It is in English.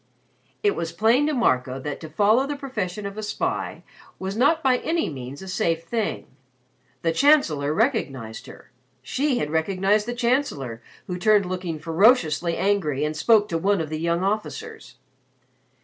It was plain to Marco that to follow the profession of a spy was not by any means a safe thing. The Chancellor had recognized her she had recognized the Chancellor who turned looking ferociously angry and spoke to one of the young officers.